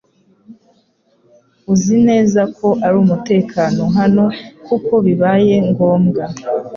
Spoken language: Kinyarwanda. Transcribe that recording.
Uzi neza ko ari umutekano hano kuko bibaye ngombwa